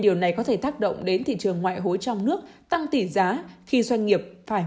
điều này có thể tác động đến thị trường ngoại hối trong nước tăng tỷ giá khi doanh nghiệp phải